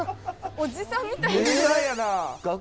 おじさんみたい。